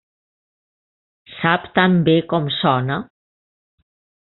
Sap tan bé com sona.